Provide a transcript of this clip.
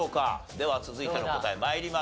では続いての答え参りましょう。